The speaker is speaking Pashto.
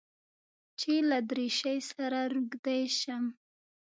چې له دريشۍ سره روږدى سم.